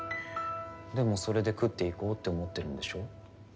でもそれで食っていこうって思ってるんでしょ？